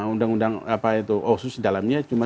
undang undang osus dalamnya